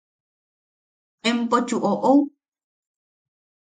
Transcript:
¿Empochu oʼou?